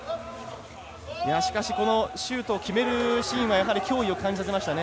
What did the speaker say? しかし、シュートを決めるシーンが、やはり脅威を感じさせましたね。